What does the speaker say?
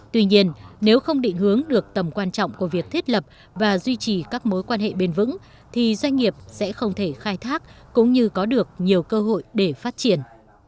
tuy nhiên nếu không định hướng được tầm quan trọng của việc thiết lập và duy trì các mối quan hệ bền vững thì doanh nghiệp sẽ không thể khai thác cũng như có được nhiều cơ hội để phát triển